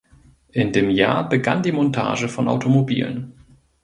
In dem Jahr begann die Montage von Automobilen.